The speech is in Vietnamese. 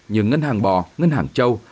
như ngân hàng bò ngân hàng châu